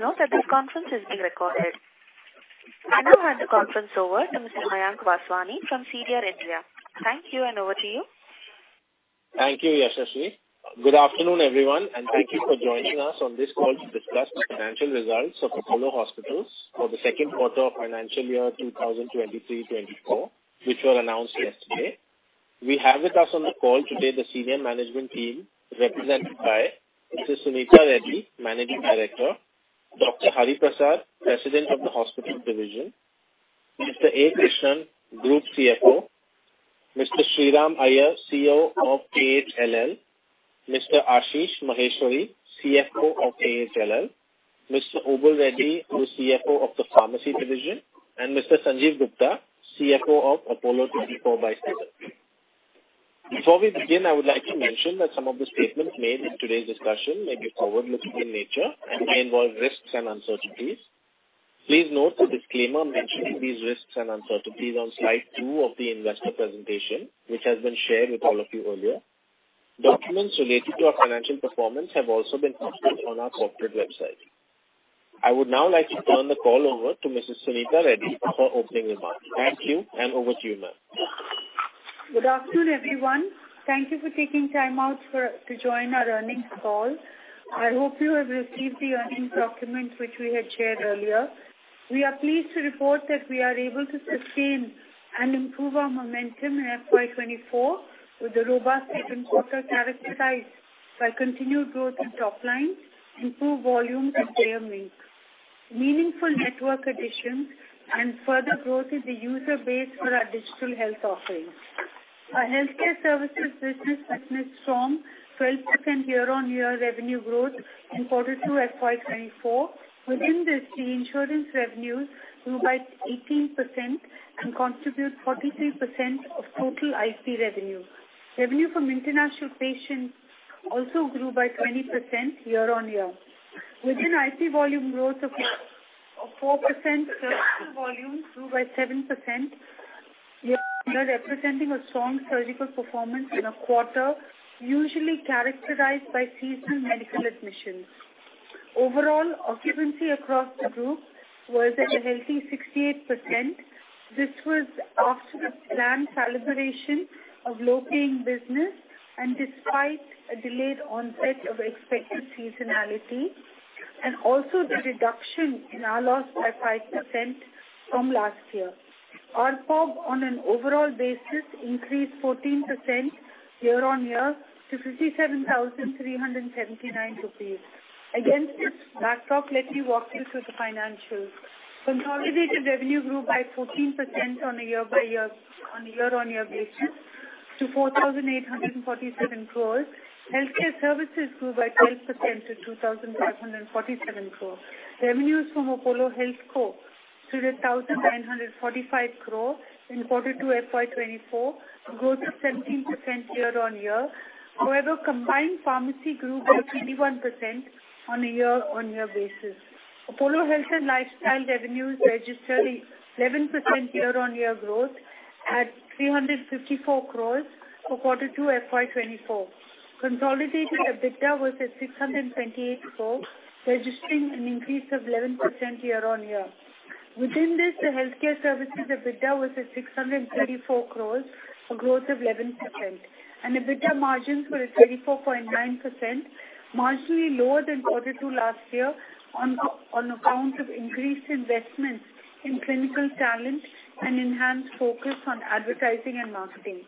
Please note that this conference is being recorded. I now hand the conference over to Mr. Mayank Vaswani from CDR India. Thank you, and over to you. Thank you, Yashashi. Good afternoon, everyone, and thank you for joining us on this call to discuss the financial results of Apollo Hospitals for the second quarter of financial year 2023-2024, which were announced yesterday. We have with us on the call today the senior management team, represented by Mrs. Suneeta Reddy, Managing Director, Dr. Hari Prasad, President of the Hospital Division, Mr. A. Krishnan, Group CFO, Mr. Sriram Iyer, CEO of AHLL, Mr. Ashish Maheshwari, CFO of AHLL, Mr. Obul Reddy, the CFO of the Pharmacy Division, and Mr. Sanjiv Gupta, CFO of Apollo 24|7. Before we begin, I would like to mention that some of the statements made in today's discussion may be forward-looking in nature and may involve risks and uncertainties. Please note the disclaimer mentioning these risks and uncertainties on slide two of the investor presentation, which has been shared with all of you earlier. Documents related to our financial performance have also been posted on our corporate website. I would now like to turn the call over to Mrs. Suneeta Reddy for opening remarks. Thank you, and over to you, ma'am. Good afternoon, everyone. Thank you for taking time out to join our earnings call. I hope you have received the earnings documents, which we had shared earlier. We are pleased to report that we are able to sustain and improve our momentum in FY 2024, with a robust second quarter characterized by continued growth in top line, improved volume and payer mix, meaningful network additions, and further growth in the user base for our digital health offerings. Our healthcare services business witnessed strong 12% year-on-year revenue growth in quarter two FY 2024. Within this, the insurance revenues grew by 18% and contribute 43% of total IP revenue. Revenue from international patients also grew by 20% year-on-year. Within IP volume growth of 4%, [capital] volume grew by 7%, representing a strong surgical performance in a quarter, usually characterized by seasonal medical admissions. Overall, occupancy across the group was a healthy 68%. This was after the planned calibration of low-paying business and despite a delayed onset of expected seasonality, and also the reduction in ALOS by 5% from last year. ARPOB on an overall basis increased 14% year-on-year to 57,379 rupees. Against this backdrop, let me walk you through the financials. Consolidated revenue grew by 14% on a year-on-year basis to 4,847 crore. Healthcare services grew by 12% to 2,547 crore. Revenues from Apollo HealthCo to 1,945 crore in quarter two FY 2024, a growth of 17% year-on-year. However, combined pharmacy grew by 21% on a year-on-year basis. Apollo Health and Lifestyle revenues registered 11% year-on-year growth at 354 crore for quarter two FY 2024. Consolidated EBITDA was at 628 crore, registering an increase of 11% year-on-year. Within this, the healthcare services EBITDA was at 634 crore, a growth of 11%, and EBITDA margins were at 24.9%, marginally lower than quarter two last year on account of increased investments in clinical talent and enhanced focus on advertising and marketing.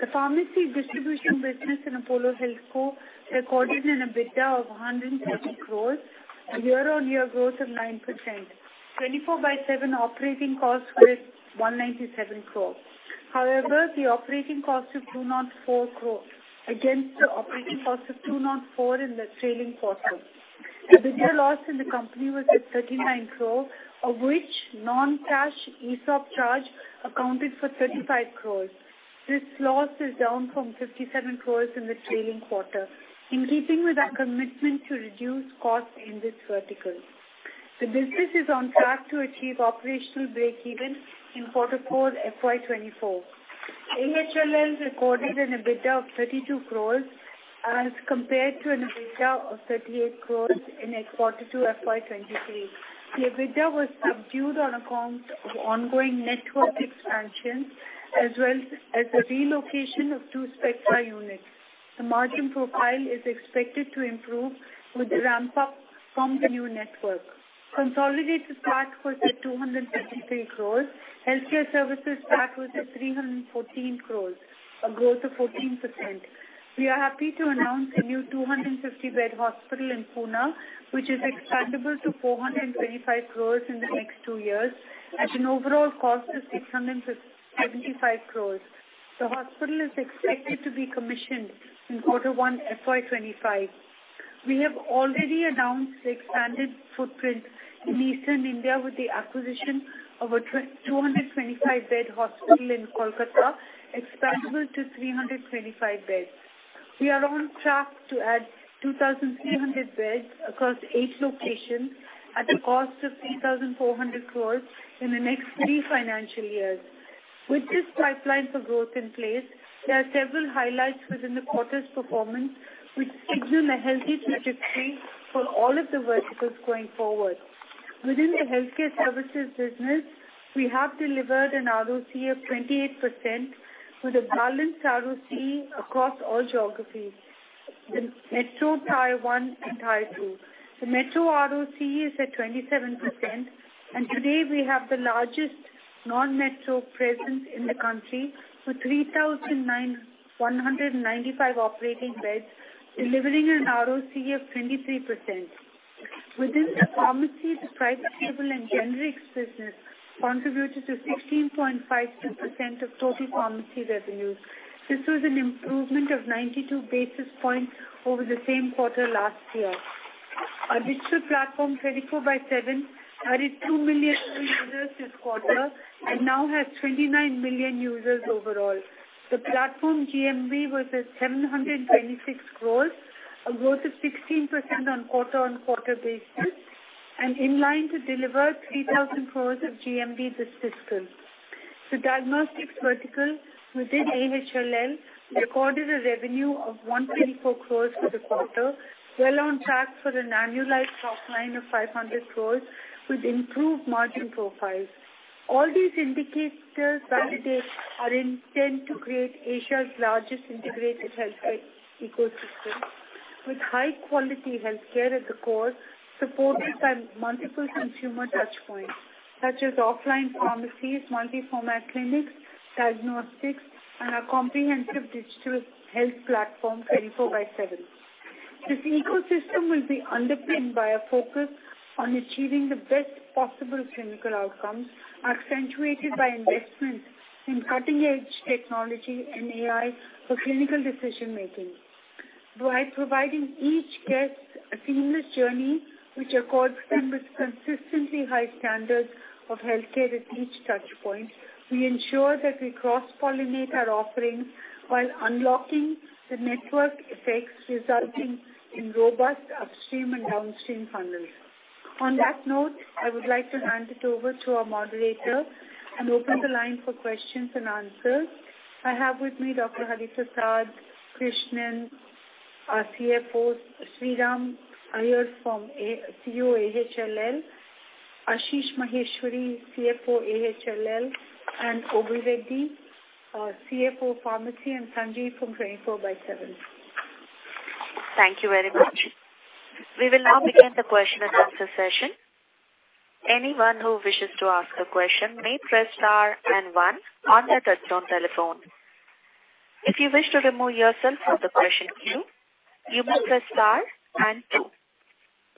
The pharmacy distribution business in Apollo Healthco recorded an EBITDA of 170 crore, a year-on-year growth of 9%. 24|7 operating costs were 197 crore. However, the operating costs were 204 crore, against the operating costs of 204 crore in the trailing quarter. EBITDA loss in the company was at 39 crore, of which non-cash ESOP charge accounted for 35 crore. This loss is down from 57 crore in the trailing quarter, in keeping with our commitment to reduce costs in this vertical. The business is on track to achieve operational break-even in quarter four FY 2024. AHLL recorded an EBITDA of 32 crore as compared to an EBITDA of 38 crore in quarter two FY 2023. The EBITDA was subdued on account of ongoing network expansion, as well as the relocation of two Spectra units. The margin profile is expected to improve with the ramp-up from the new network. Consolidated PAT was at 233 crore. Healthcare services PAT was at 314 crore, a growth of 14%. We are happy to announce a new 250-bed hospital in Pune, which is expandable to 425 beds in the next two years, at an overall cost of 675 crore. The hospital is expected to be commissioned in quarter one, FY 2025. We have already announced the expanded footprint in Eastern India with the acquisition of a 225-bed hospital in Kolkata, expandable to 325 beds. We are on track to add 2,300 beds across eight locations at a cost of 3,400 crore in the next three financial years. With this pipeline for growth in place, there are several highlights within the quarter's performance, which signal a healthy trajectory for all of the verticals going forward. Within the healthcare services business, we have delivered an ROC of 28%, with a balanced ROC across all geographies, the metro, tier one, and tier two. The metro ROC is at 27%, and today we have the largest non-metro presence in the country, with 3,995 operating beds, delivering an ROC of 23%. Within the pharmacy, the private label and generics business contributed to 16.5% of total pharmacy revenues. This was an improvement of 92 basis points over the same quarter last year. Our digital platform, 24|7, added 2 million new users this quarter and now has 29 million users overall. The platform GMV was at 726 crore, a growth of 16% on quarter-on-quarter basis, and in line to deliver 3,000 crore of GMV this fiscal. The diagnostics vertical within AHLL recorded a revenue of 124 crore for the quarter, well on track for an annualized top line of 500 crore with improved margin profiles. All these indicators validate our intent to create Asia's largest integrated healthcare ecosystem, with high-quality healthcare at the core, supported by multiple consumer touchpoints, such as offline pharmacies, multi-format clinics, diagnostics, and a comprehensive digital health platform, 24|7. This ecosystem will be underpinned by a focus on achieving the best possible clinical outcomes, accentuated by investments in cutting-edge technology and AI for clinical decision-making. By providing each guest a seamless journey, which accords them with consistently high standards of healthcare at each touchpoint, we ensure that we cross-pollinate our offerings while unlocking the network effects, resulting in robust upstream and downstream funnels. On that note, I would like to hand it over to our moderator and open the line for questions and answers. I have with me Dr. Hari Prasad, Krishnan, our CFO, Sriram Iyer, CEO, AHLL, Ashish Maheshwari, CFO, AHLL, and Obul Reddy, our CFO, Pharmacy, and Sanjiv from 24|7. Thank you very much. We will now begin the question-and-answer session. Anyone who wishes to ask a question may press star and one on their touchtone telephone. If you wish to remove yourself from the question queue, you may press star and two.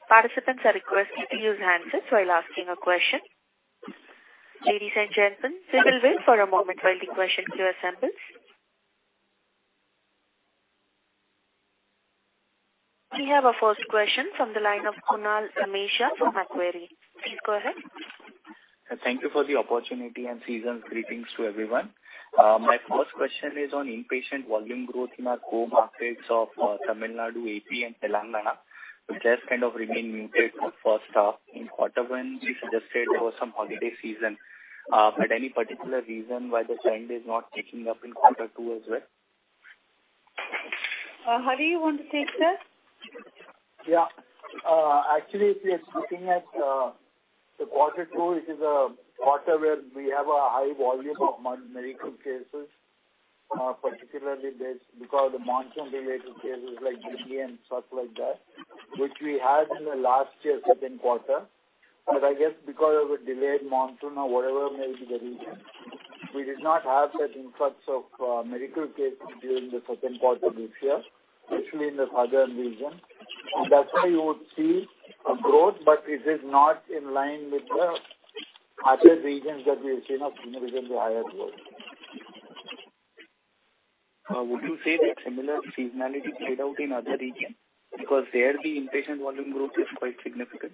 Participants are requested to use handsets while asking a question. Ladies and gentlemen, we will wait for a moment while the question queue assembles. We have our first question from the line of Kunal Dhamesha from Macquarie. Please go ahead. Thank you for the opportunity, and seasonal greetings to everyone. My first question is on inpatient volume growth in our core markets of, Tamil Nadu, AP, and Telangana, which has kind of remained muted for first half in quarter one. We suggested there was some holiday season. But any particular reason why the trend is not picking up in quarter two as well? Hari, you want to take that? Yeah. Actually, if you're looking at the quarter two, it is a quarter where we have a high volume of medical cases, particularly this, because the monsoon-related cases like dengue and stuff like that, which we had in the last year, second quarter. But I guess because of a delayed monsoon or whatever may be the reason, we did not have that influx of medical cases during the second quarter this year, especially in the southern region. And that's why you would see a growth, but it is not in line with the other regions that we have seen, have seen the higher growth. Would you say that similar seasonality played out in other regions? Because there, the inpatient volume growth is quite significant.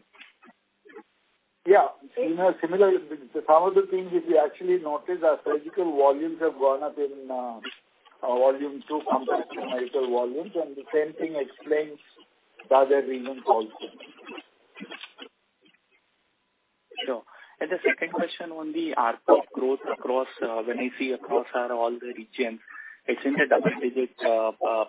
Yeah. You know, similar, some of the things which we actually noticed, our surgical volumes have gone up in volume two compared to medical volumes, and the same thing explains the other regions also. Sure. And the second question on the ARPA growth across, when I see across our all the regions, it's in the double digits,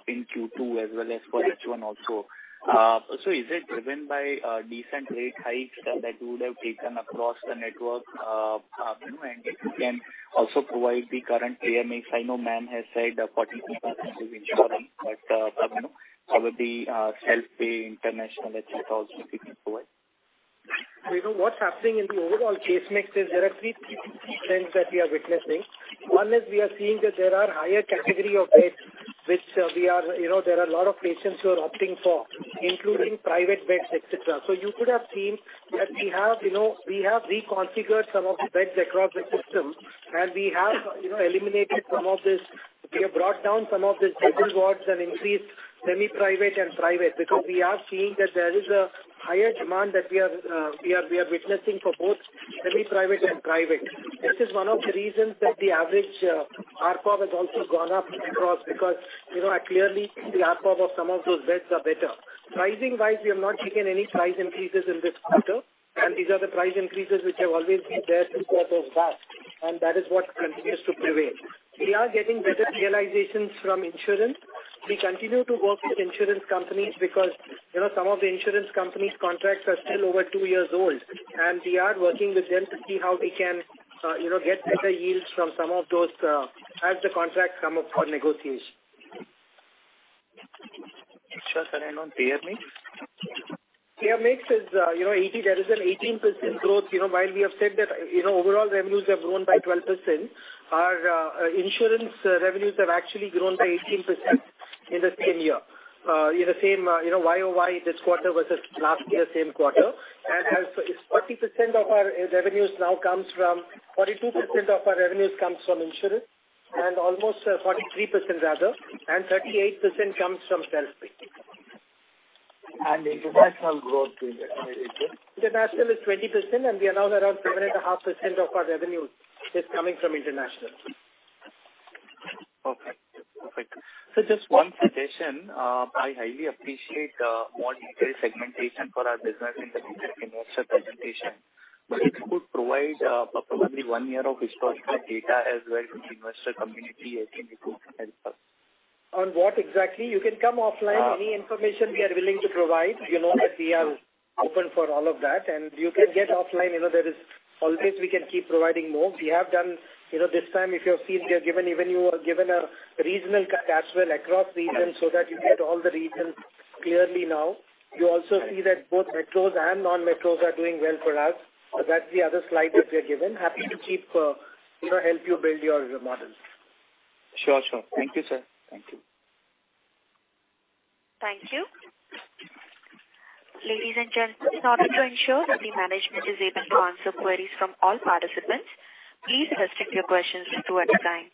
in Q2 as well as for H1 also. So is it driven by, decent rate hikes that you would have taken across the network, you know, and if you can also provide the current AMAs. I know Ma'am has said 43% in insurance, but, you know, how would be, self-pay, international, et cetera, also be before? So you know, what's happening in the overall case mix is there are three trends that we are witnessing. One is we are seeing that there are higher category of beds, which we are... You know, there are a lot of patients who are opting for, including private beds, et cetera. So you could have seen that we have, you know, we have reconfigured some of the beds across the system, and we have, you know, eliminated some of this. We have brought down some of the double wards and increased semi-private and private, because we are seeing that there is a higher demand that we are witnessing for both semi-private and private. This is one of the reasons that the average ARPOB has also gone up across, because, you know, clearly, the ARPOB of some of those beds are better. Pricing-wise, we have not taken any price increases in this quarter, and these are the price increases which have always been there since that was last, and that is what continues to prevail. We are getting better realizations from insurance.... We continue to work with insurance companies because, you know, some of the insurance companies contracts are still over two years old, and we are working with them to see how we can, you know, get better yields from some of those, as the contracts come up for negotiation. Sure, sir. On payer mix? Payer mix is, you know, there is an 18% growth. You know, while we have said that, you know, overall revenues have grown by 12%, our insurance revenues have actually grown by 18% in the same year. In the same, you know, YoY, this quarter versus last year, same quarter. And as 40% of our revenues now comes from, 42% of our revenues comes from insurance, and almost 43% rather, and 38% comes from self-pay. The international growth is...? International is 20%, and we are now around 7.5% of our revenue is coming from international. Okay. Perfect. So just one suggestion, I highly appreciate more detailed segmentation for our business in the investor presentation. But if you could provide probably one year of historical data as well to the investor community, I think it would help us. On what exactly? You can come offline. Uh. Any information we are willing to provide, you know that we are open for all of that, and you can get offline. You know, there is always we can keep providing more. We have done... You know, this time, if you have seen, we have given, even you were given a regional as well across regions so that you get all the regions clearly now. You also see that both metros and non-metros are doing well for us. So that's the other slide that we have given. Happy to keep, you know, help you build your models. Sure, sure. Thank you, sir. Thank you. Thank you. Ladies and gentlemen, in order to ensure that the management is able to answer queries from all participants, please restrict your questions to one time.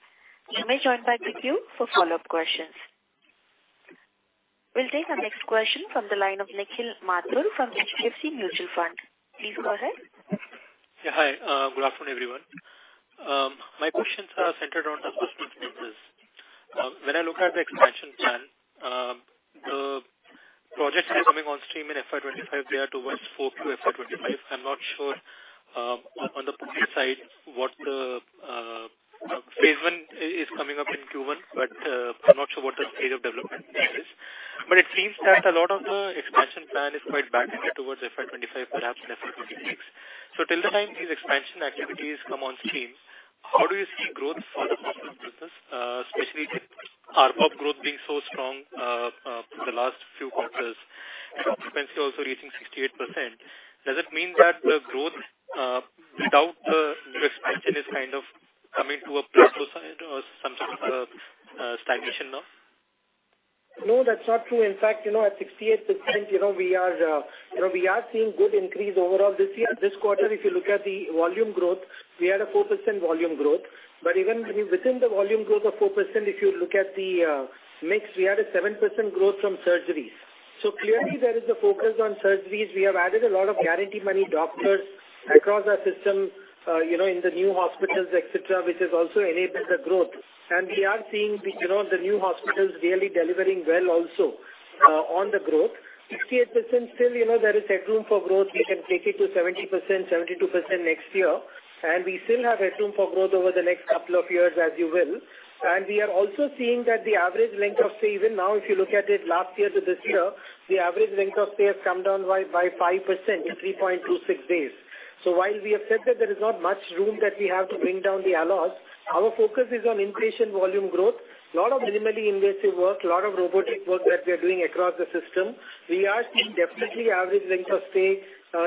You may join back the queue for follow-up questions. We'll take the next question from the line of Nikhil Mathur from HDFC Mutual Fund. Please go ahead. Yeah, hi. Good afternoon, everyone. My questions are centered on the hospital business. When I look at the expansion plan, the projects are coming on stream in FY25. They are towards 4Q FY25. I'm not sure, on the project side, what the phase I is coming up in Q1, but I'm not sure what the stage of development is. But it seems that a lot of the expansion plan is quite backended towards FY25, perhaps FY26. So till the time these expansion activities come on stream, how do you see growth for the hospital business, especially with [ARPO] growth being so strong, the last few quarters, expense also reaching 68%? Does it mean that the growth, without the expansion is kind of coming to a plateau or some sort of stagnation now? No, that's not true. In fact, you know, at 68%, you know, we are, you know, we are seeing good increase overall this year. This quarter, if you look at the volume growth, we had a 4% volume growth. But even within the volume growth of 4%, if you look at the, mix, we had a 7% growth from surgeries. So clearly, there is a focus on surgeries. We have added a lot of guarantee money doctors across our system, you know, in the new hospitals, et cetera, et cetera, which has also enabled the growth. And we are seeing, you know, the new hospitals really delivering well also, on the growth. 68%, still, you know, there is headroom for growth. We can take it to 70%, 72% next year, and we still have headroom for growth over the next couple of years, as you will. And we are also seeing that the average length of stay, even now, if you look at it last year to this year, the average length of stay has come down by 5% in 3.26 days. So while we have said that there is not much room that we have to bring down the ALOS, our focus is on inpatient volume growth, a lot of minimally invasive work, a lot of robotic work that we are doing across the system. We are seeing definitely average length of stay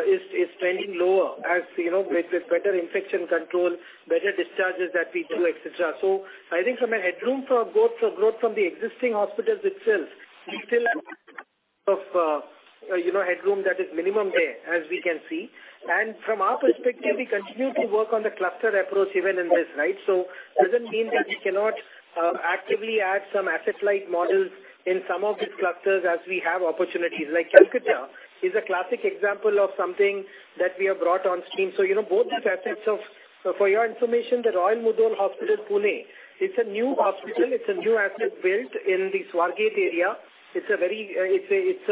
is trending lower, as you know, with the better infection control, better discharges that we do, et cetera. So I think from a headroom for growth, so growth from the existing hospitals itself, we still have, you know, headroom that is minimum there, as we can see. And from our perspective, we continue to work on the cluster approach even in this, right? So doesn't mean that we cannot, actively add some asset-light models in some of these clusters as we have opportunities. Like, Kolkata is a classic example of something that we have brought on stream. So you know, both these assets of... For your information, the Royal Mudhol Hospital, Pune, it's a new hospital. It's a new asset built in the Swargate area. It's a very, it's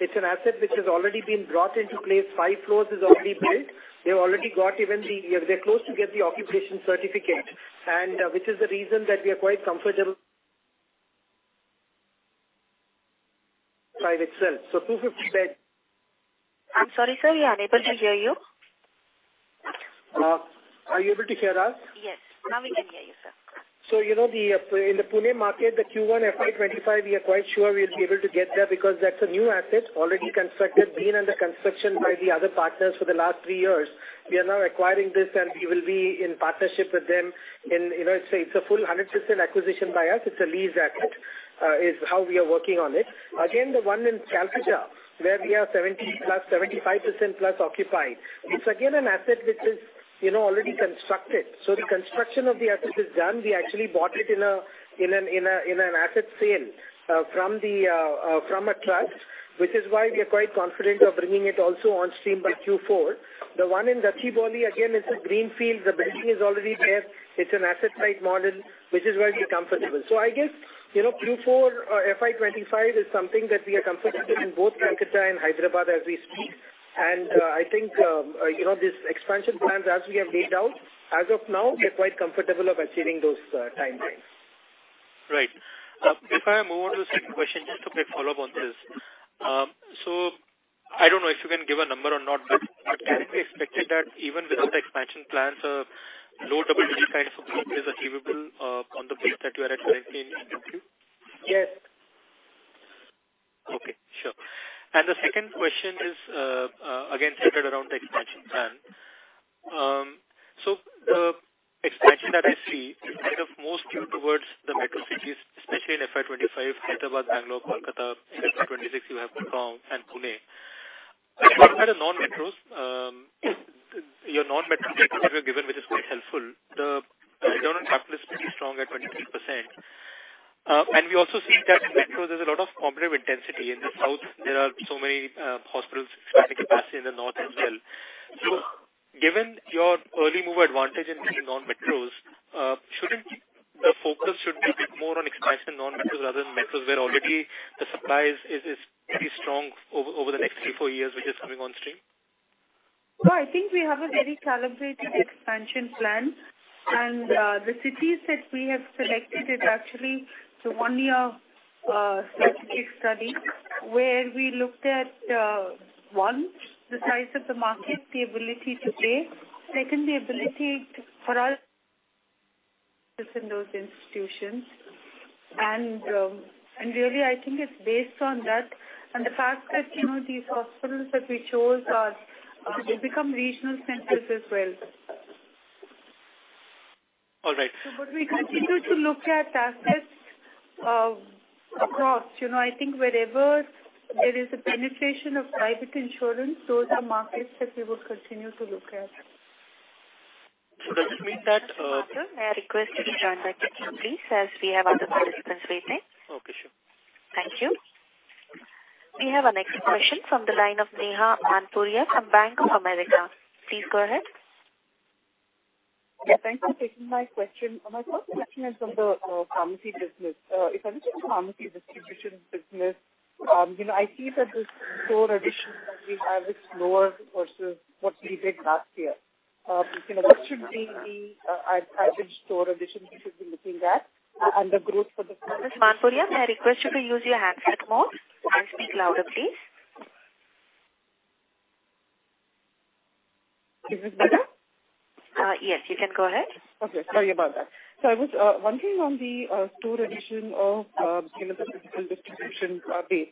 an asset which has already been brought into place. Five floors is already built. They're close to get the occupancy certificate, and which is the reason that we are quite comfortable by itself. So 250-bed. I'm sorry, sir, we are unable to hear you. Are you able to hear us? Yes. Now we can hear you, sir. You know, in the Pune market, the Q1 FY 2025, we are quite sure we'll be able to get there because that's a new asset, already constructed, been under construction by the other partners for the last three years. We are now acquiring this, and we will be in partnership with them. You know, it's a full 100% acquisition by us. It's a lease asset is how we are working on it. Again, the one in Calcutta, where we are 70%+, 75%+ occupied, it's again an asset which is, you know, already constructed. So the construction of the asset is done. We actually bought it in an asset sale from a trust, which is why we are quite confident of bringing it also on stream by Q4. The one in, again, is a greenfield. The building is already there. It's an [asset-light model], which is where we're comfortable. So I guess, you know, Q4, FY 2025 is something that we are comfortable in both Kolkata and Hyderabad as we speak. And, I think, you know, these expansion plans, as we have laid out, as of now, we're quite comfortable of achieving those, timeframes.... Right. Before I move on to the second question, just a quick follow-up on this. So I don't know if you can give a number or not, but can we expected that even without the expansion plans, a low double-digit kind of growth is achievable, on the base that you are at currently in Q2? Yes. Okay, sure. And the second question is, again, centered around the expansion plan. So the expansion that I see is kind of most skewed towards the metro cities, especially in FY 25, Hyderabad, Bangalore, Kolkata. In FY 26, you have and Pune. At a non-metros, your non-metro data that you've given, which is quite helpful, the return on capital is pretty strong at 23%. And we also see that in metros, there's a lot of competitive intensity. In the south, there are so many hospitals expanding capacity in the north as well. So given your early mover advantage in the non-metros, shouldn't the focus should be a bit more on expansion in non-metros rather than metros, where already the supply is pretty strong over the next three, four years, which is coming on stream? Well, I think we have a very calibrated expansion plan. And the cities that we have selected, it's actually the one-year strategic study, where we looked at one, the size of the market, the ability to pay. Secondly, ability for us in those institutions. And and really, I think it's based on that and the fact that, you know, these hospitals that we chose are they become regional centers as well. All right. But we continue to look at assets across. You know, I think wherever there is a penetration of private insurance, those are markets that we will continue to look at. So does it mean that? I request you to join back in, please, as we have other participants waiting. Okay, sure. Thank you. We have our next question from the line of Neha Manpuria from Bank of America. Please go ahead. Yeah, thanks for taking my question. My first question is on the pharmacy business. If I look at pharmacy distribution business, you know, I see that the store addition that we have is lower versus what we did last year. You know, what should be the average store addition we should be looking at, and the growth for the- Ms. Manpuria, I request you to use your handset more and speak louder, please. Is this better? Yes, you can go ahead. Okay, sorry about that. So I was wondering on the store addition of, you know, the physical distribution base.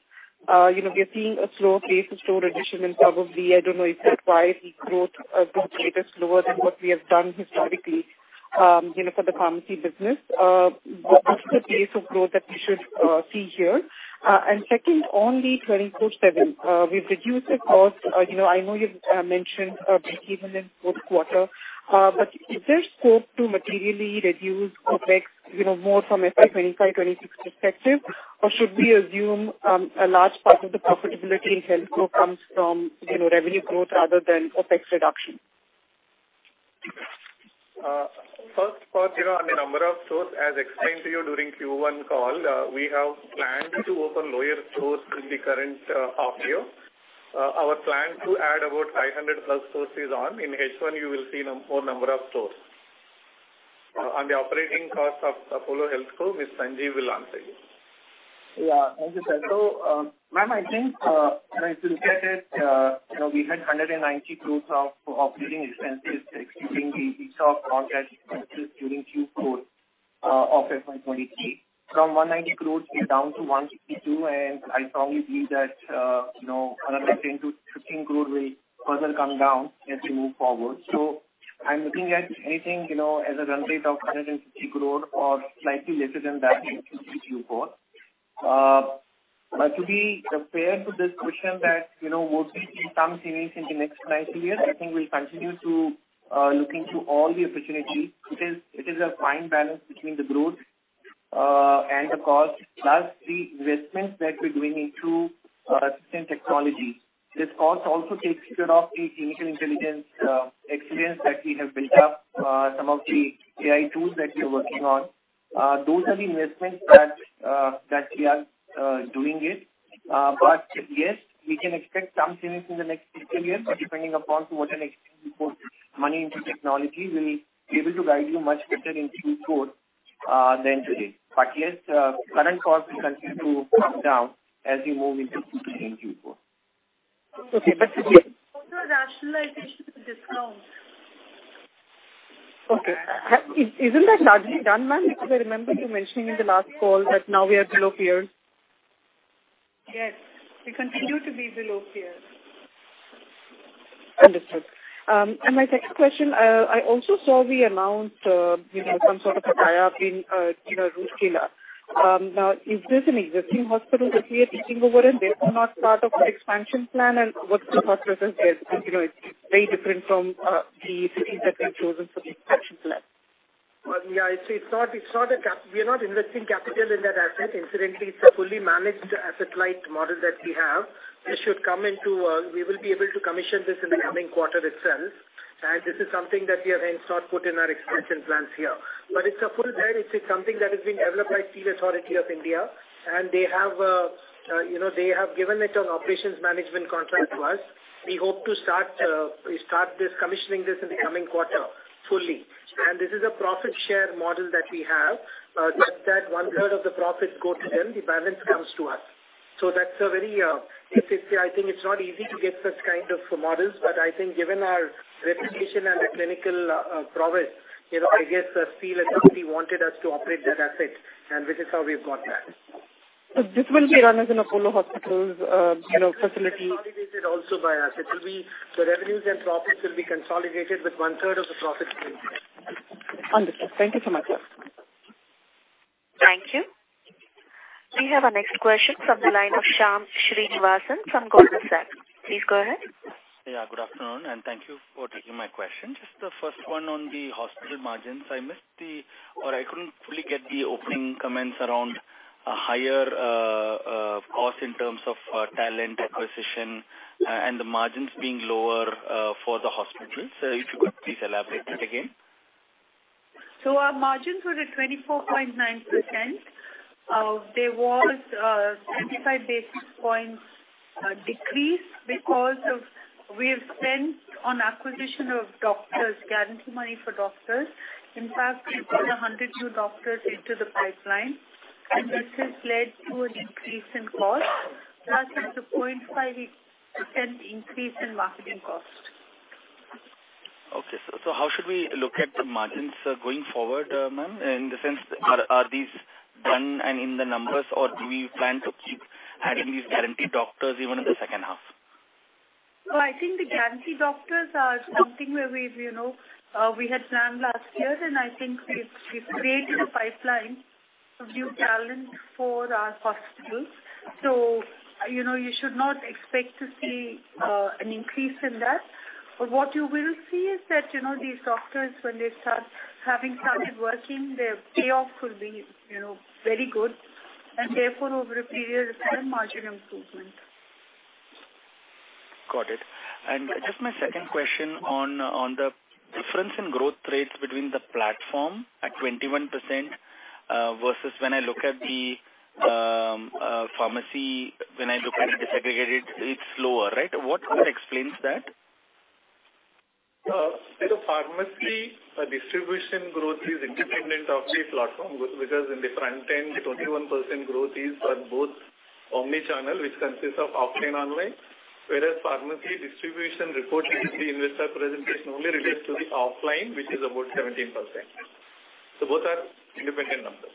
You know, we are seeing a slower pace of store addition and probably, I don't know if that's why the growth growth rate is lower than what we have done historically, you know, for the pharmacy business. What is the pace of growth that we should see here? And second, on the 24|7, we've reduced the cost. You know, I know you've mentioned behavior in fourth quarter. But is there scope to materially reduce OpEx, you know, more from a FY 2025, 2026 perspective? Or should we assume a large part of the profitability in HealthCo comes from, you know, revenue growth rather than OpEx reduction? First part, you know, on the number of stores, as explained to you during Q1 call, we have planned to open lower stores in the current, half year. Our plan to add about 500+ stores is on. In H1, you will see more number of stores. On the operating cost of Apollo HealthCo, Miss, Sanjiv will answer you. Yeah. Thank you, Sir. So, ma'am, I think, if you look at it, you know, we had 190 crore of operating expenses, excluding the, we saw non-cash expenses during Q4 of FY 2023. From 190 crore, we are down to 162 crore, and I strongly believe that, you know, another 10 crore-15 crore will further come down as we move forward. So I'm looking at anything, you know, as a run rate of 160 crore or slightly lesser than that in Q4. But to be fair to this question that, you know, we'll see some change in the next nine years, I think we'll continue to looking to all the opportunities. It is, it is a fine balance between the growth and the cost, plus the investments that we're doing into system technology. This cost also takes care of the digital intelligence experience that we have built up, some of the AI tools that we are working on. Those are the investments that we are doing it. But yes, we can expect some changes in the next fiscal year, but depending upon to what an extent we put money into technology, we'll be able to guide you much better in Q4 than today. But yes, current costs will continue to come down as we move into 2024. Okay, but- Also rationalization of the discount. Okay. Isn't that largely done, ma'am? Because I remember you mentioning in the last call that now we are below peer. Yes, we continue to be below peer. Understood. My second question, I also saw we announced, you know, some sort of a tie-up in, you know, Rourkela. Now, is this an existing hospital that we are taking over, and this is not part of our expansion plan? And what's the process there? Because, you know, it's very different from, the cities that we've chosen for the expansion plan. Well, yeah, it's not. We are not investing capital in that asset. Incidentally, it's a fully managed asset-light model that we have. This should come into. We will be able to commission this in the coming quarter itself. And this is something that we have not put in our expansion plans here. But it's a full bed. It's something that has been developed by Steel Authority of India, and they have, you know, they have given it an operations management contract to us. We hope to start, we start this, commissioning this in the coming quarter fully. And this is a profit share model that we have, that 1/3 of the profits go to them, the balance comes to us. That's a very, I think it's not easy to get such kind of models, but I think given our reputation and the clinical progress, you know, I guess, the Steel Authority wanted us to operate that asset, and which is how we've got that. This will be run as an Apollo Hospitals, you know, facility? Also by us. It will be the revenues and profits will be consolidated with 1/3 of the profits. Understood. Thank you so much, sir. Thank you. We have our next question from the line of Shyam Srinivasan, from Goldman Sachs. Please go ahead. Yeah, good afternoon, and thank you for taking my question. Just the first one on the hospital margins. I missed the, or I couldn't fully get the opening comments around a higher cost in terms of talent acquisition, and the margins being lower for the hospital. So if you could please elaborate that again? So our margins were at 24.9%. There was 75 basis points decrease because of we have spent on acquisition of doctors, guarantee money for doctors. In fact, we put 100 new doctors into the pipeline, and this has led to an increase in cost, plus the 0.5% increase in marketing cost. Okay, so how should we look at the margins going forward, ma'am, in the sense, are these done and in the numbers, or do we plan to keep adding these guaranteed doctors even in the second half? So I think the guarantee doctors are something where we've, you know, we had planned last year, and I think we've, we've created a pipeline of new talent for our hospitals. So, you know, you should not expect to see an increase in that. But what you will see is that, you know, these doctors, when they start having started working, their payoff will be, you know, very good, and therefore, over a period, better margin improvement. Got it. And just my second question on the difference in growth rates between the platform at 21%, versus when I look at the pharmacy, when I look at it disaggregated, it's lower, right? What explains that? The pharmacy distribution growth is independent of the platform, because in the front-end, the 21% growth is on both omni-channel, which consists of offline, online. Whereas pharmacy distribution report in the investor presentation only relates to the offline, which is about 17%. So both are independent numbers.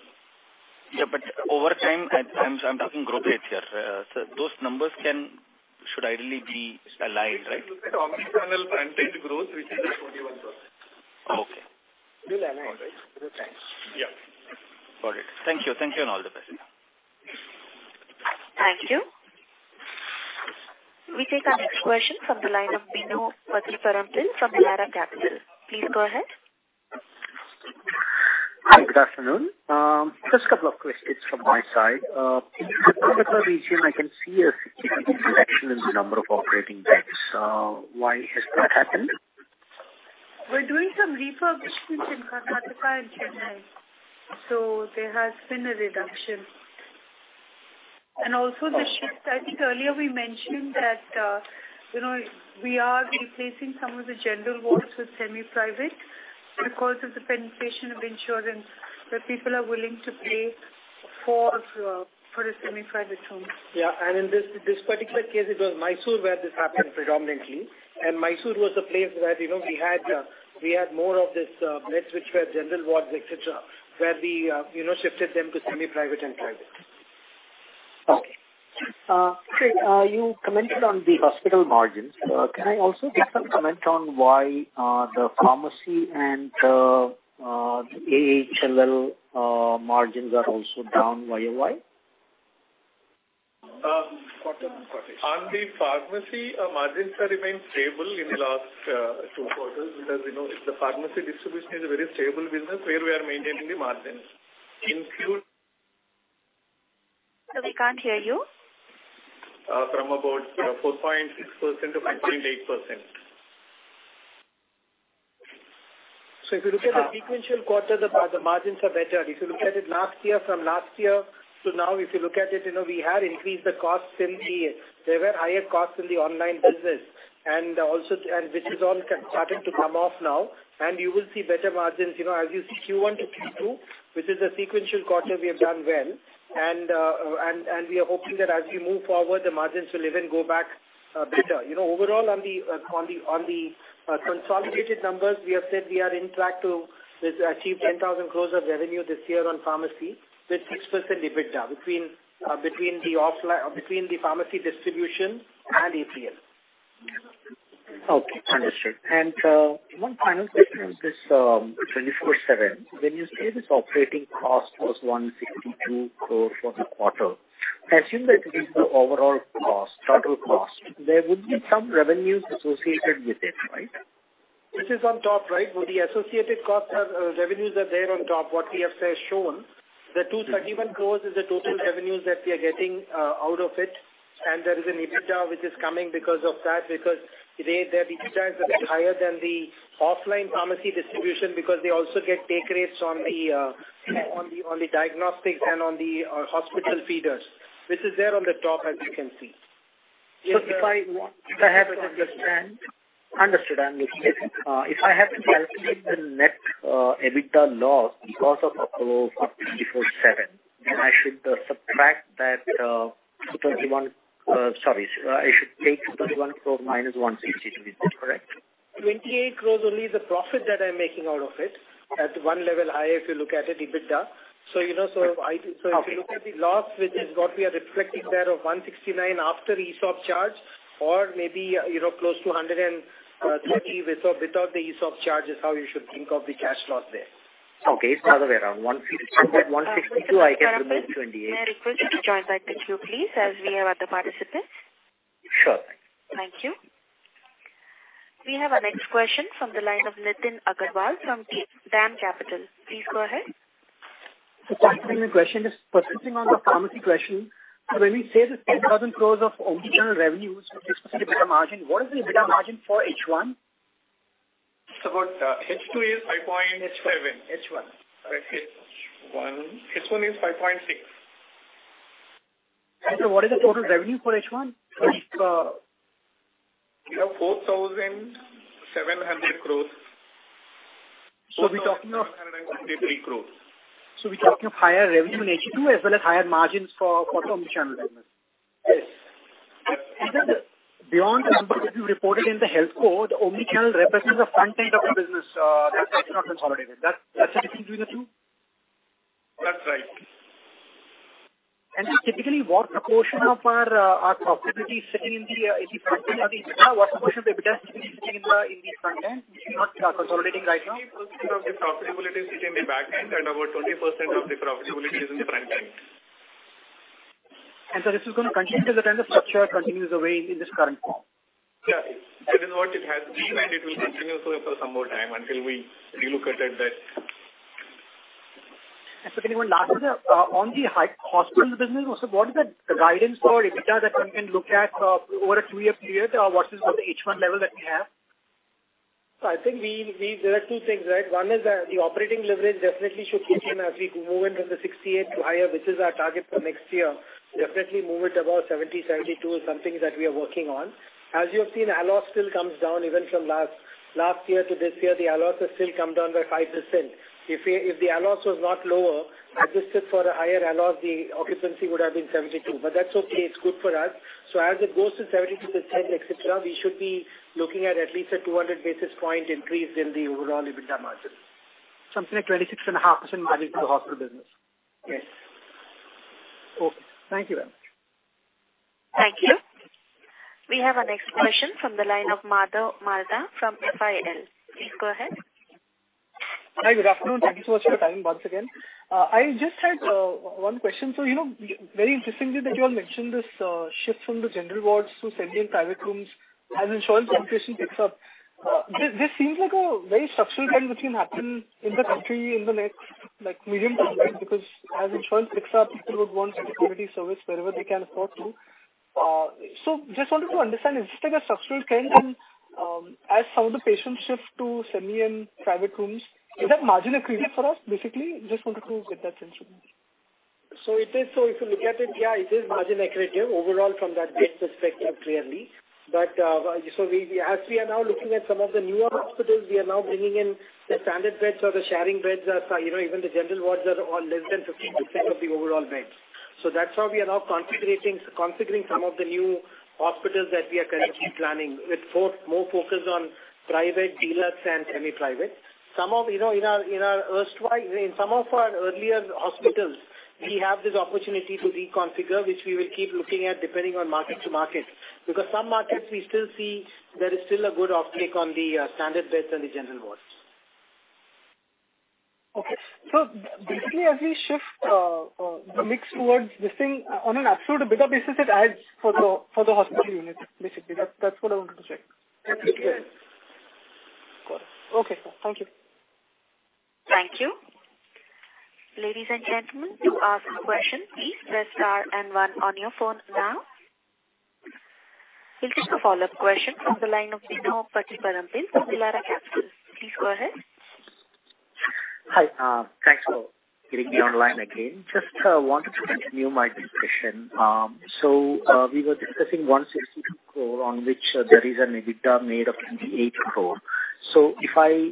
Yeah, but over time, I'm talking growth rates here. So those numbers should ideally be aligned, right? Omni-channel front-end growth, which is at 21%. Okay. Yeah. Got it. Thank you. Thank you, and all the best. Thank you. We take our next question from the line of Bino Pathiparampil from Elara Capital. Please go ahead. Hi, good afternoon. Just a couple of questions from my side. Karnataka region, I can see a reduction in the number of operating beds. Why has that happened? We're doing some refurbishments in Karnataka and Chennai, so there has been a reduction. And also, the shift, I think earlier we mentioned that, you know, we are replacing some of the general wards with semi-private because of the penetration of insurance, that people are willing to pay for, for a semi-private room. Yeah, and in this, this particular case, it was Mysore where this happened predominantly. Mysore was a place where, you know, we had, we had more of this, beds, which were general wards, etc, where we, you know, shifted them to semi-private and private. Okay. You commented on the hospital margins. Can I also get some comment on why the pharmacy and the AHLL margins are also down YoY? On the pharmacy, our margins have remained stable in the last two quarters, because, you know, the pharmacy distribution is a very stable business where we are maintaining the margins. Include- We can't hear you. From about [4.6% to 5.8%]. So if you look at the sequential quarter, the margins are better. If you look at it last year, from last year to now, if you look at it, you know, we had increased the costs in the... There were higher costs in the online business, and also, and which is all starting to come off now, and you will see better margins. You know, as you see Q1 to Q2, which is a sequential quarter, we have done well. And we are hoping that as we move forward, the margins will even go back better. You know, overall, on the consolidated numbers, we have said we are on track to achieve 10,000 crore of revenue this year on pharmacy, with 6% EBITDA between the pharmacy distribution and AHLL. Okay, understood. One final question on this, 24|7. When you say this operating cost was 162 crore for the quarter, assume that it is the overall cost, total cost. There would be some revenues associated with it, right? This is on top, right? But the associated costs are, revenues are there on top. What we have said, shown, the 231 crore is the total revenues that we are getting, out of it, and there is an EBITDA, which is coming because of that, because the EBITDA is a bit higher than the offline pharmacy distribution, because they also get take rates on the, on the, on the diagnostics and on the, hospital feeders. This is there on the top, as you can see. So if I want, if I have to understand, I understand. If I have to calculate the net EBITDA loss because of Apollo 24|7, I should subtract that, 21. Sorry, I should take 231 crore - 160 crore. Is that correct? 28 crore is only the profit that I'm making out of it. At one level, higher, if you look at it, EBITDA. So, you know, so I- Okay. So if you look at the loss, which is what we are reflecting there of 169 crore after ESOP charge, or maybe, you know, close to a 130 crore with or without the ESOP charge, is how you should think of the cash loss there. Okay, the other way around. 162 crore, I can remember 28 crore. I request you to join back the queue, please, as we have other participants. Sure. Thank you. We have our next question from the line of Nitin Agarwal from DAM Capital. Please go ahead. Just a question, just persisting on the pharmacy question. When we say that 10,000 crore of omni channel revenues for specific EBITDA margin, what is the EBITDA margin for H1? About H2 is 5.7. H1. H1, H1 is 5.6. What is the total revenue for H1? We have 4,700 crore. We're talking of- crore. So we're talking of higher revenue in H2 as well as higher margins for omni channel revenue? Yes. Beyond the numbers that you reported in the HealthCo, omni channel represents the front end of the business, that's not consolidated. That's, that's the difference between the two? That's right. Typically, what proportion of our profitability sitting in the front end or the back end, what proportion of EBITDA sitting in the front end, which you're not consolidating right now? Of the profitability is sitting in the back end, and about 20% of the profitability is in the front end. And so this is going to continue because the kind of structure continues the way in this current form? Yeah, that is what it has been, and it will continue so for some more time until we relook at it that. And so then one last one, on the hospital business, so what is the guidance for EBITDA that one can look at over a two-year period, or what is the H1 level that we have? I think we... There are two things, right? One is that the operating leverage definitely should kick in as we move in from the 68 to higher, which is our target for next year. Definitely move it above 70, 72 is something that we are working on. As you have seen, ALOS still comes down even from last year to this year, the ALOS has still come down by 5%. If the, if the ALOS was not lower, adjusted for a higher ALOS, the occupancy would have been 72. But that's okay, it's good for us. So as it goes to, et cetera, we should be looking at at least a 200 basis point increase in the overall EBITDA margins. Something like 26.5% margin for the hospital business? Yes. Okay. Thank you very much. Thank you. We have our next question from the line of Madhav Marda from FIL. Please go ahead. Hi, good afternoon. Thank you so much for your time once again. I just had one question. So, you know, very interestingly, that you all mentioned this shift from the general wards to semi and private rooms as insurance penetration picks up. This seems like a very structural thing which can happen in the country in the next, like, medium term, right? Because as insurance picks up, people would want security service wherever they can afford to. So just wanted to understand, is this like a structural trend, and as some of the patients shift to semi and private rooms, is that margin accretive for us, basically? Just wanted to get that sense from you. So it is. So if you look at it, yeah, it is margin accretive overall from that base perspective, clearly. But, so we, as we are now looking at some of the newer hospitals, we are now bringing in the standard beds or the sharing beds that are, you know, even the general wards are less than 15% of the overall beds. So that's how we are now configuring some of the new hospitals that we are currently planning, with more, more focus on private, deluxe, and semi-private. Some of, you know, in our, in our erstwhile, in some of our earlier hospitals, we have this opportunity to reconfigure, which we will keep looking at, depending on market to market. Because some markets we still see there is still a good uptake on the, standard beds and the general wards. Okay. So basically, as we shift, the mix towards this thing, on an absolute EBITDA basis, it adds for the, for the hospital unit, basically. That, that's what I wanted to check. Absolutely. Got it. Okay, sir. Thank you. Thank you. Ladies and gentlemen, to ask a question, please press star and one on your phone now. We'll take a follow-up question from the line of Bino Pathiparampil from Elara Capital. Please go ahead. Hi, thanks for getting me on the line again. Just, wanted to continue my discussion. So, we were discussing 162 crore, on which there is an EBITDA made of 28 crore. So if I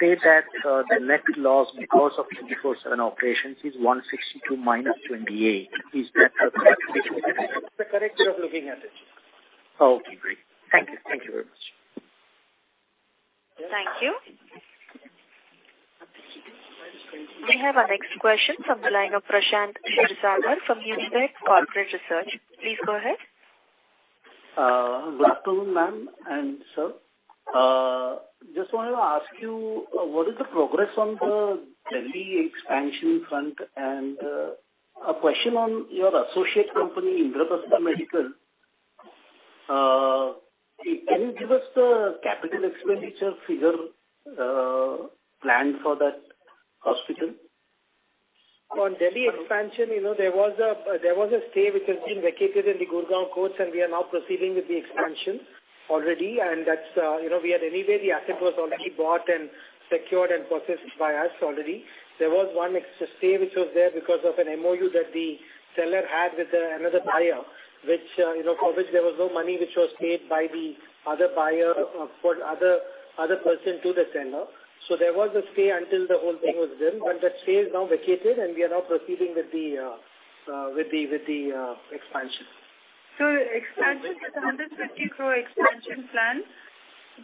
say that, the net loss because of 24|7 operations is 162 crore - 28 crore, is that correct? That's the correct way of looking at it. Okay, great. Thank you. Thank you very much. Thank you. We have our next question from the line of Prashant Kshirsagar from Unived Corporate Research. Please go ahead. Good afternoon, ma'am and sir. Just wanted to ask you, what is the progress on the Delhi expansion front? And, a question on your associate company, Indraprastha Medical. Can you give us the capital expenditure figure, planned for that hospital? On Delhi expansion, you know, there was a stay which has been vacated in the Gurugram courts, and we are now proceeding with the expansion already, and that's, you know, we had anyway, the asset was already bought and secured and processed by us already. There was one extra stay which was there because of an MOU that the seller had with another buyer, which, you know, for which there was no money, which was paid by the other buyer or other person to the seller. So there was a stay until the whole thing was done, but that stay is now vacated, and we are now proceeding with the expansion. The expansion, the 150 crore expansion plan,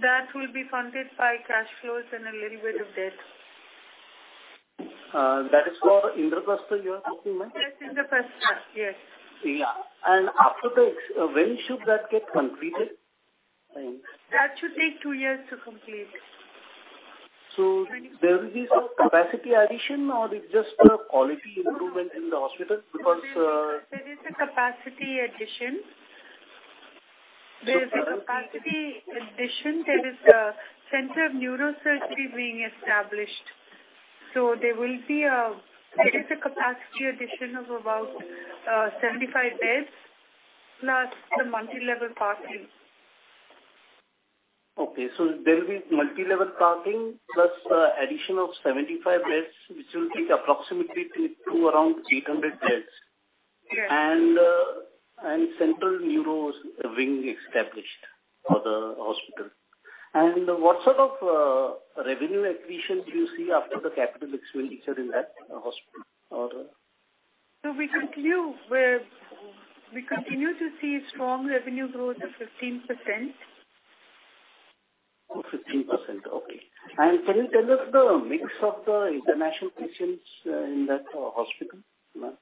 that will be funded by cash flows and a little bit of debt. That is for Indraprastha, you are talking about? Yes, Indraprastha, yes. Yeah. After the, when should that get completed? That should take two years to complete. So there will be some capacity addition, or it's just a quality improvement in the hospital? Because, There is a capacity addition. There is a capacity addition. There is a center of neurosurgery wing established. So there will be there is a capacity addition of about 75 beds, plus the multilevel parking. Okay. So there will be multilevel parking, plus addition of 75 beds, which will take approximately to around 800 beds. Yes. Center of neuro wing established for the hospital. And what sort of revenue accretion do you see after the capital expenditure in that hospital or- We continue to see strong revenue growth of 15%. Oh, 15%. Okay. And can you tell us the mix of the international patients in that hospital, ma'am?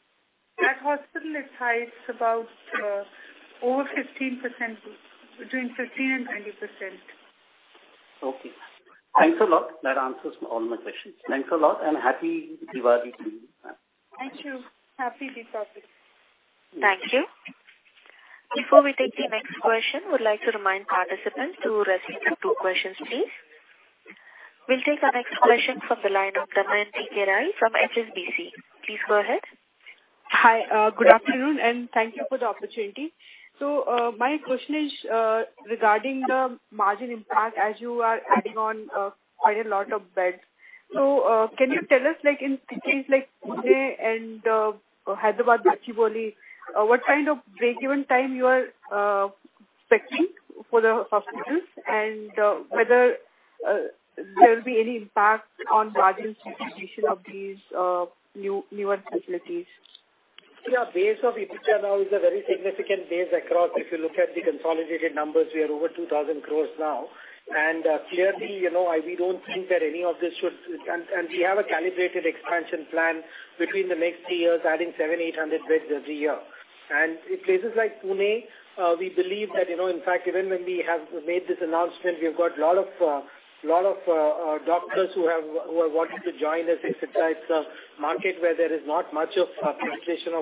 That hospital, it has highs about over 15%, between 15% and 20%. Okay. Thanks a lot. That answers all my questions. Thanks a lot, and happy Diwali to you, ma'am. Thank you. Happy Dipavali. Thank you. Before we take the next question, I would like to remind participants to restrict to two questions, please. We'll take our next question from the line of Damayanti Kerai from HSBC. Please go ahead. Hi, good afternoon, and thank you for the opportunity. So, my question is, regarding the margin impact as you are adding on, quite a lot of beds. So, can you tell us, like, in cities like Pune and, Hyderabad, Bachupally, what kind of break-even time you are, expecting for the hospitals, and, whether, there will be any impact on margin participation of these, new, newer facilities? Yeah, base of EBITDA now is a very significant base across. If you look at the consolidated numbers, we are over 2,000 crore now. And, clearly, you know, we don't think that any of this should... And we have a calibrated expansion plan between the next three years, adding 700-800 beds every year. And in places like Pune, we believe that, you know, in fact, even when we have made this announcement, we've got a lot of doctors who have wanted to join us. It's a type of market where there is not much of a penetration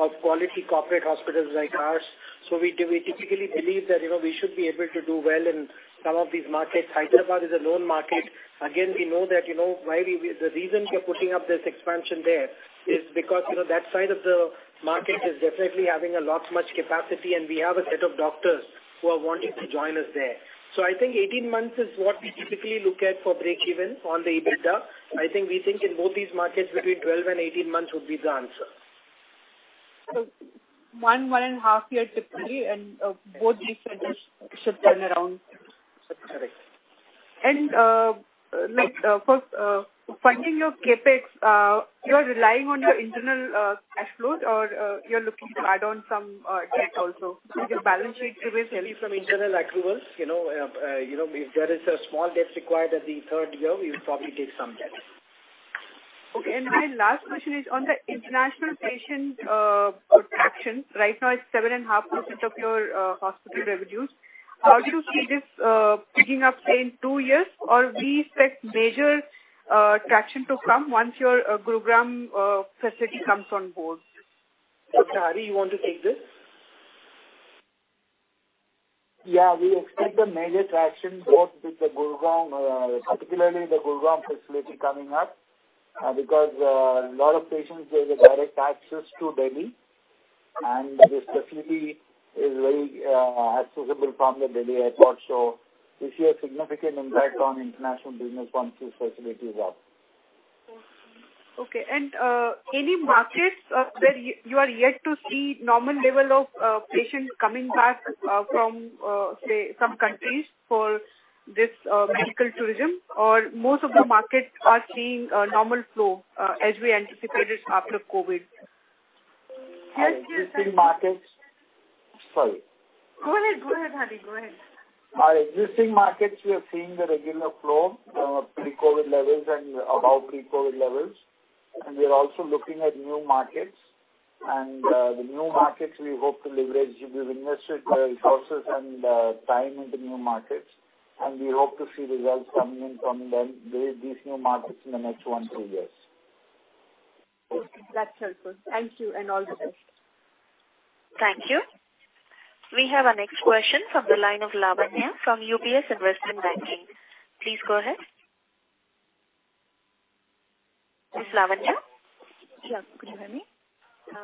of quality corporate hospitals like ours. So we typically believe that, you know, we should be able to do well in some of these markets. Hyderabad is a lone market. Again, we know that, you know, the reason we are putting up this expansion there is because, you know, that side of the market is definitely having a lot much capacity, and we have a set of doctors who are wanting to join us there. So I think 18 months is what we typically look at for break even on the EBITDA. I think we think in both these markets, between 12 and 18 months would be the answer. So, 1-1.5 year typically, and both these should turn around. Correct. Like, first, funding your CapEx, you are relying on your internal cash flows, or you're looking to add on some debt also? So your balance sheet will tell you- From internal accruals, you know, you know, if there is a small debt required at the third year, we would probably take some debt. Okay, and my last question is on the international patient attraction. Right now, it's 7.5% of your hospital revenues. How do you see this picking up in two years? Or we expect major traction to come once your Gurugram facility comes on board. So, Hari, you want to take this? Yeah, we expect the major traction both with the Gurugram, particularly the Gurugram facility coming up, because a lot of patients, there's a direct access to Delhi, and this facility is very accessible from the Delhi airport. So we see a significant impact on international business once this facility is up. Okay. And any markets where you, you are yet to see normal level of patients coming back from say some countries for this medical tourism, or most of the markets are seeing a normal flow as we anticipated after COVID? As you said- Existing markets... Sorry. Go ahead. Go ahead, Hari. Go ahead. Our existing markets, we are seeing the regular flow, pre-COVID levels and above pre-COVID levels. We are also looking at new markets, and the new markets we hope to leverage. We've invested resources and time into new markets, and we hope to see results coming in from them, these new markets in the next 1-2 years. Okay. That's helpful. Thank you and all the best. Thank you. We have our next question from the line of Lavanya from UBS Investment Banking. Please go ahead.... Lavanya? Yeah. Could you hear me?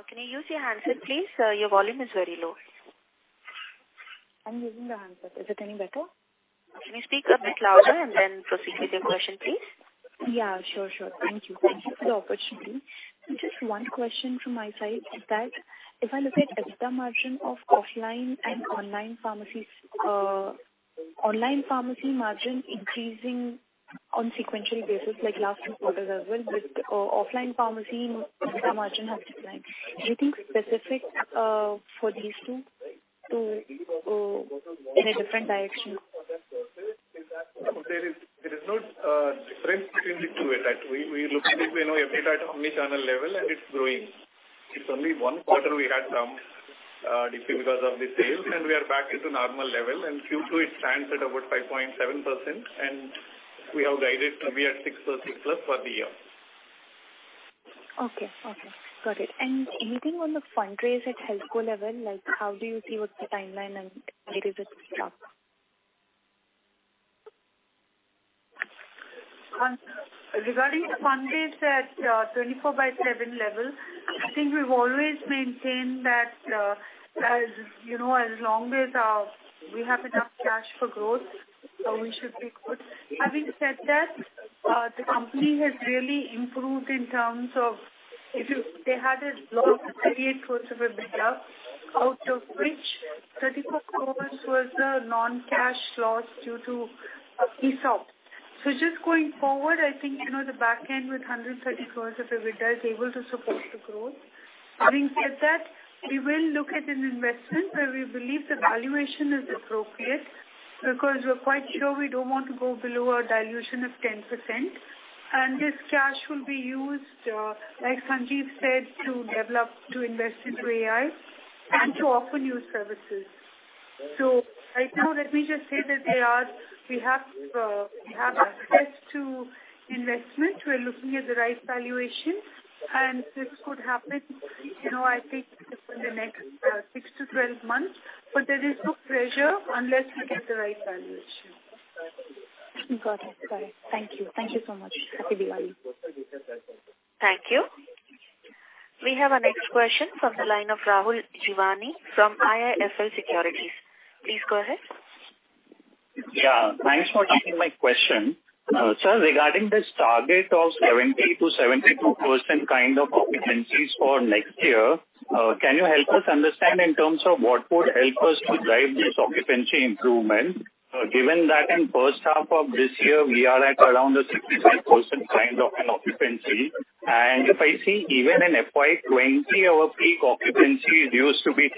Can you use your handset, please? Your volume is very low. I'm using the handset. Is it any better? Can you speak a bit louder and then proceed with your question, please? Yeah, sure, sure. Thank you. Thank you for the opportunity. Just one question from my side is that if I look at EBITDA margin of offline and online pharmacies, online pharmacy margin increasing on sequential basis, like last two quarters as well, with offline pharmacy EBITDA margin have declined. Anything specific for these two to go in a different direction? There is no difference between the two. In fact, we look at it, you know, EBITDA at omni-channel level, and it's growing. It's only one quarter we had some decline because of the sales, and we are back into normal level. And Q2, it stands at about 5.7%, and we have guided to be at 6% or 6%+ for the year. Okay. Okay, got it. Anything on the fundraise at HealthCo level, like how do you see what the timeline and where does it stop? Regarding the fundraise at the 24|7 level, I think we've always maintained that, as you know, as long as we have enough cash for growth, we should be good. Having said that, the company has really improved in terms of they had a lot of EBITDA, out of which 34 crore was a non-cash loss due to ESOP. So just going forward, I think, you know, the back end with 130 crore of EBITDA is able to support the growth. Having said that, we will look at an investment where we believe the valuation is appropriate, because we're quite sure we don't want to go below our dilution of 10%. And this cash will be used, like Sanjiv said, to develop, to invest into AI and to offer new services. Right now, let me just say that we have access to investment. We are looking at the right valuation, and this could happen, you know, I think within the next six to 12 months, but there is no pressure unless we get the right valuation. Got it. Got it. Thank you. Thank you so much. Happy Diwali! Thank you. We have our next question from the line of Rahul Jeewani from IIFL Securities. Please go ahead. Yeah, thanks for taking my question. Sir, regarding this target of 70%-72% kind of occupancies for next year, can you help us understand in terms of what would help us to drive this occupancy improvement? Given that in first half of this year, we are at around a 65% kind of an occupancy. And if I see even in FY 2020, our peak occupancy used to be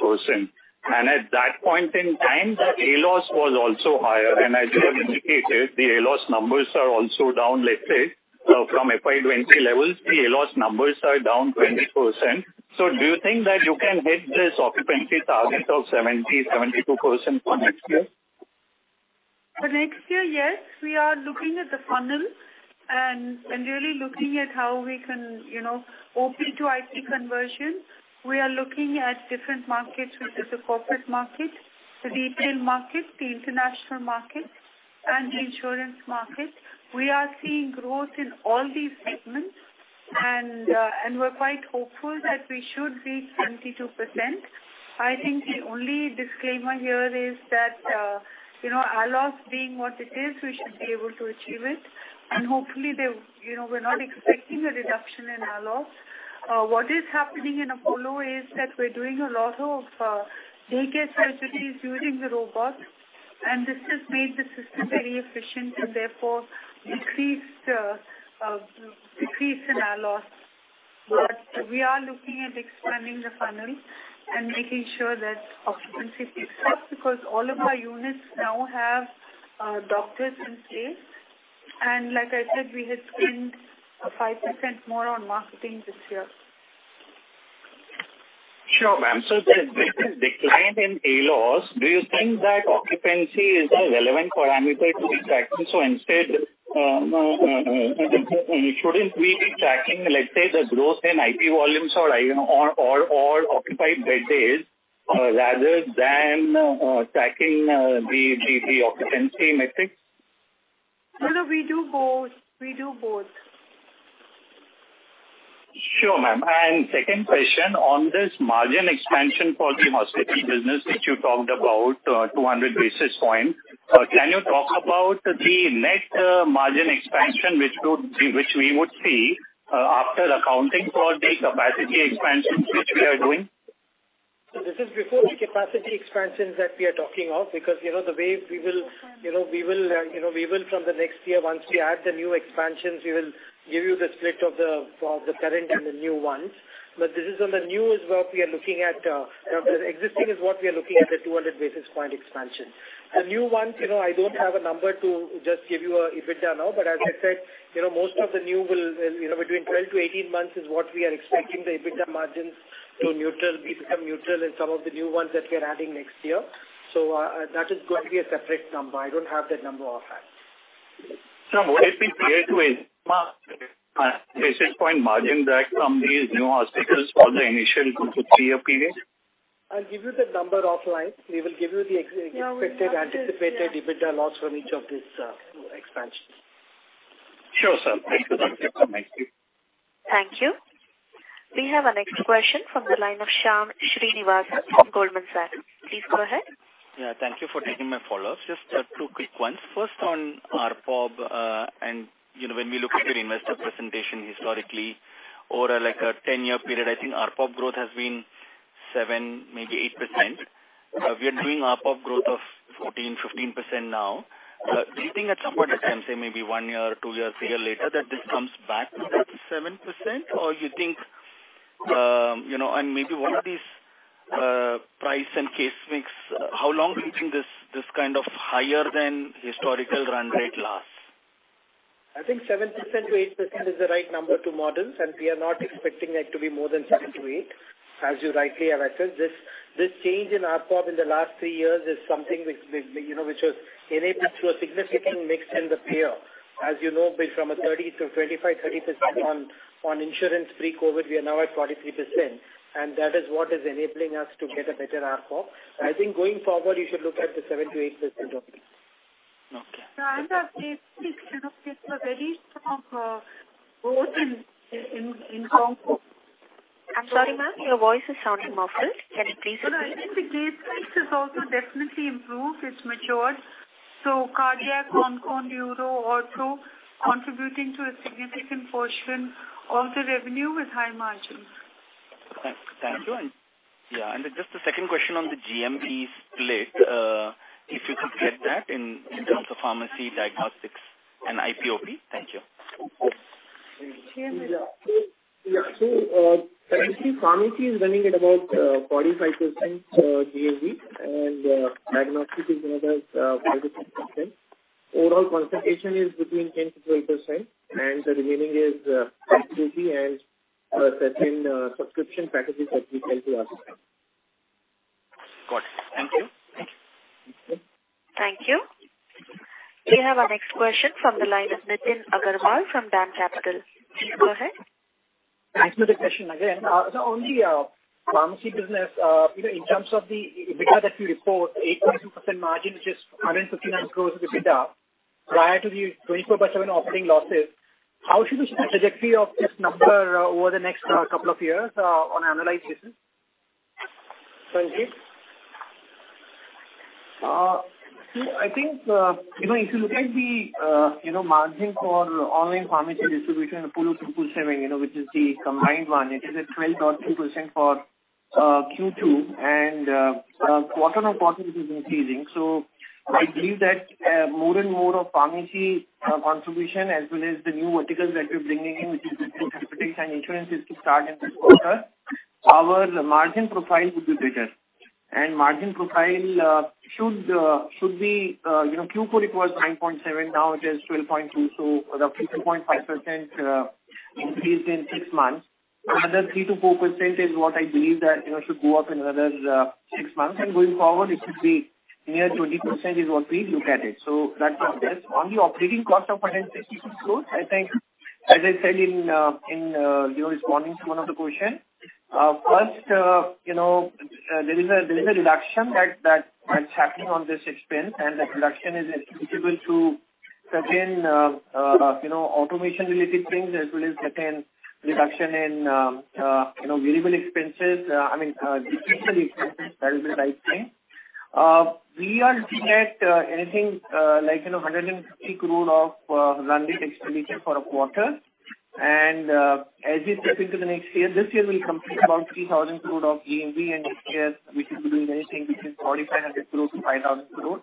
58%. And at that point in time, the ALOS was also higher. And as you have indicated, the ALOS numbers are also down, let's say. From FY 2020 levels, the ALOS numbers are down 20%. So do you think that you can hit this occupancy target of 70%-72% for next year? For next year, yes. We are looking at the funnel and really looking at how we can, you know, OP to IP conversion. We are looking at different markets, which is the corporate market, the retail market, the international market, and the insurance market. We are seeing growth in all these segments, and we're quite hopeful that we should reach 72%. I think the only disclaimer here is that, you know, ALOS being what it is, we should be able to achieve it. And hopefully, they, you know, we're not expecting a reduction in ALOS. What is happening in Apollo is that we're doing a lot of daycare surgeries using the robots, and this has made the system very efficient and therefore increased decrease in ALOS. We are looking at expanding the funnel and making sure that occupancy picks up, because all of our units now have doctors in place. Like I said, we had spent 5% more on marketing this year. Sure, ma'am. So there's been a decline in ALOS. Do you think that occupancy is a relevant parameter to be tracking? So instead, shouldn't we be tracking, let's say, the growth in IP volumes or occupied bed days, rather than tracking the occupancy metrics? No, no, we do both. We do both. Sure, ma'am. And second question on this margin expansion for the hospital business, which you talked about, 200 basis points. Can you talk about the net margin expansion, which would be—which we would see, after accounting for the capacity expansions which we are doing? So this is before the capacity expansions that we are talking of, because, you know, the way we will, you know, we will, you know, we will from the next year, once we add the new expansions, we will give you the split of the, of the current and the new ones. But this is on the new as well we are looking at, the existing is what we are looking at, the 200 basis point expansion. The new ones, you know, I don't have a number to just give you a EBITDA now, but as I said, you know, most of the new will, you know, between 12-18 months is what we are expecting the EBITDA margins to neutral, become neutral in some of the new ones that we are adding next year. So, that is going to be a separate number. I don't have that number offhand. What has been created with basis point margin back from these new hospitals for the initial two to three-year period?... I'll give you the number offline. We will give you the expected anticipated EBITDA loss from each of these expansions. Thank you. We have our next question from the line of Shyam Srinivasan from Goldman Sachs. Please go ahead. Yeah, thank you for taking my follow-up. Just two quick ones. First, on ARPOB, and you know, when we look at your investor presentation historically, over like a 10-year period, I think ARPOB growth has been 7%, maybe 8%. We are doing ARPOB growth of 14%-15% now. Do you think at some point of time, say maybe one year, two years, three years later, that this comes back to that 7%? Or you think, you know, and maybe one of these, price and case mix, how long do you think this, this kind of higher than historical run rate lasts? I think 7%-8% is the right number to model, and we are not expecting it to be more than 7%-8%. As you rightly have assessed, this change in ARPOB in the last three years is something which you know was enabled through a significant mix in the payer. As you know, from 30% to 25%-30% on insurance pre-COVID, we are now at 43%, and that is what is enabling us to get a better ARPOB. I think going forward, you should look at the 7%-8% only. Okay. Our case mix, you know, is a very strong growth in Hong Kong. I'm sorry, ma'am, your voice is sounding muffled. Can you please repeat? I think the case mix is also definitely improved. It's matured. So cardiac, oncology, neuro, ortho, contributing to a significant portion of the revenue with high margins. Thank you. Yeah, just the second question on the GMP split, if you could get that in, in terms of pharmacy, diagnostics and IP/OP? Thank you. Yeah. So, actually, pharmacy is running at about 45% GMV, and diagnostics is another 5%. Overall, consultations is between 10%-12%, and the remaining is IP/OP and certain subscription packages that we sell to our staff. Got it. Thank you. Thank you. We have our next question from the line of Nitin Agarwal from DAM Capital. Please go ahead. Thanks for the question again. So on the pharmacy business, you know, in terms of the EBITDA that you report, 8.2% margin, which is 159 crore of EBITDA, prior to the 24|7 operating losses, how should we see the trajectory of this number over the next couple of years, on an annual basis? Sanjiv? I think, you know, if you look at the, you know, margin for online pharmacy distribution, Apollo 24|7, you know, which is the combined one, it is at 12.2% for Q2, and quarter-on-quarter it is increasing. So I believe that more and more of pharmacy contribution, as well as the new verticals that we're bringing in, which is insurance, is to start in this quarter, our margin profile would be better. And margin profile should be, you know, Q4 it was 9.7%, now it is 12.2%, so a 3.5% increase in six months. Another 3%-4% is what I believe that, you know, should go up in another six months, and going forward, it should be near 20% is what we look at it. So that's on the operating cost of potential growth. I think, as I said in, you know, responding to one of the question, first, you know, there is a reduction that is happening on this expense, and the reduction is attributable to certain, you know, automation-related things, as well as certain reduction in, you know, variable expenses, I mean, digital expenses, that is the right thing. We are looking at anything like, you know, 150 crore of running expenditure for a quarter. As we step into the next year, this year we'll complete about 3,000 crore of AMV, and next year we should be doing anything between 4,500 crore-5,000 crore.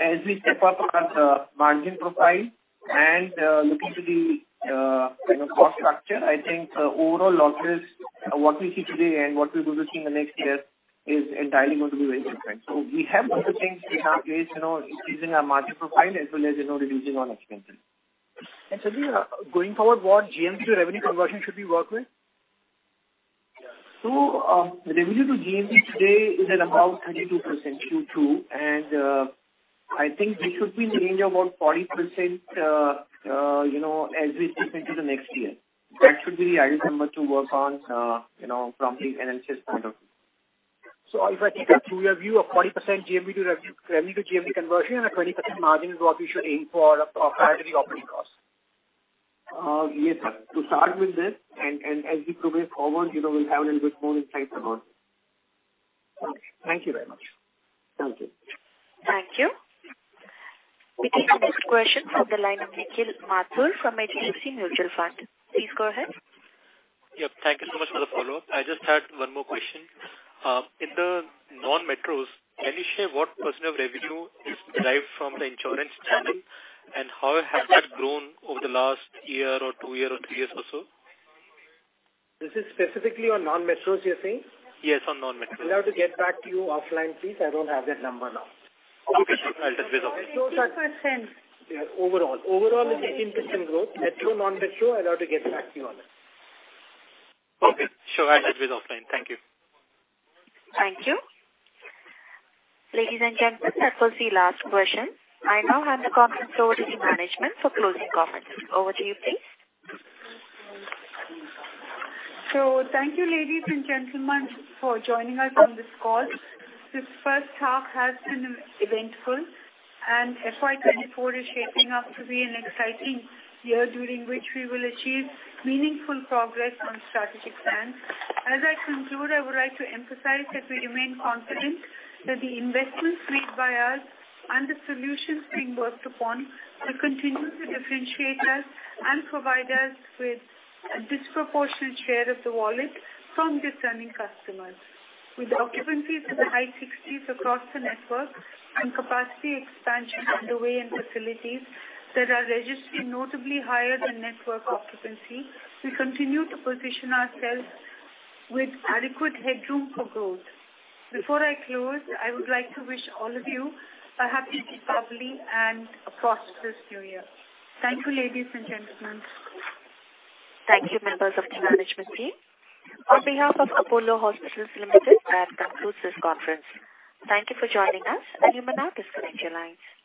As we step up our margin profile and looking to the you know cost structure, I think the overall losses, what we see today and what we will see in the next year is entirely going to be very different. So we have other things we have placed, you know, increasing our margin profile as well as you know reducing our expenses. Sanjiv, going forward, what GMV revenue conversion should we work with? So, revenue to GMV today is at about 22%, Q2, and, I think we should be in the range of about 40%, you know, as we step into the next year. That should be the ideal number to work on, you know, from the P&L point of view. If I take that to your view, a 40% GMV to revenue to GMV conversion and a 20% margin is what we should aim for prior to the operating costs? Yes, sir. To start with this, and as we progress forward, you know, we'll have a little bit more insight about. Thank you very much. Thank you. Thank you. We take the next question from the line of Nikhil Mathur from HDFC Mutual Fund. Please go ahead. Yep. Thank you so much for the follow-up. I just had one more question. In the non-metros, can you share what percent of revenue is derived from the insurance channel, and how has that grown over the last year or two year or three years or so? This is specifically on non-metros, you're saying? Yes, on non-metros. I'll have to get back to you offline, please. I don't have that number now. Okay, sure. I'll just visit. %. Yeah, overall. Overall, it's growth. Metro, non-metro, I'll have to get back to you on it. Okay. Sure, I'll just visit offline. Thank you. Thank you. Ladies and gentlemen, that was the last question. I now hand the conference over to the management for closing comments. Over to you, please. So thank you, ladies and gentlemen, for joining us on this call. This first half has been eventful, and FY 2024 is shaping up to be an exciting year, during which we will achieve meaningful progress on strategic plans. As I conclude, I would like to emphasize that we remain confident that the investments made by us and the solutions being worked upon will continue to differentiate us and provide us with a disproportionate share of the wallet from discerning customers. With occupancies in the high 60s across the network and capacity expansion underway in facilities that are registering notably higher than network occupancy, we continue to position ourselves with adequate headroom for growth. Before I close, I would like to wish all of you a happy Dipavali and a prosperous new year. Thank you, ladies and gentlemen. Thank you, members of the management team. On behalf of Apollo Hospitals Limited, I conclude this conference. Thank you for joining us, and you may now disconnect your lines.